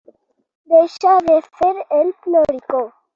Deixa de fer el ploricó.